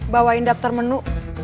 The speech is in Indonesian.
bawain daftar menu